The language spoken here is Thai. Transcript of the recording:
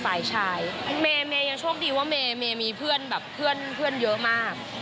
ฝ่ายชายเมย์ยังโชคดีว่าเมย์มีเพื่อนแบบเพื่อนเยอะมาก